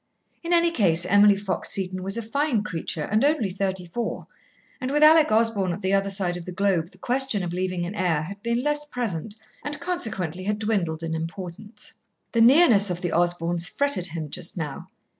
In any case Emily Fox Seton was a fine creature, and only thirty four, and with Alec Osborn at the other side of the globe the question of leaving an heir had been less present and consequently had dwindled in importance. The nearness of the Osborns fretted him just now.